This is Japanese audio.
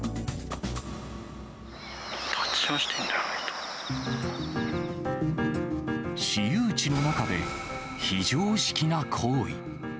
立ちションしてんだよね、私有地の中で、非常識な行為。